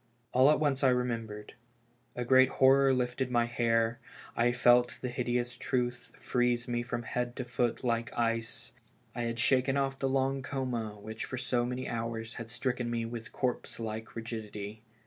All at once I remembered. A great horror lifted my hair, I felt the hideous truth freeze me from head to foot like ice. I had shaken oft' the long coma which for so many hours had stricken me with corpse like rigidity.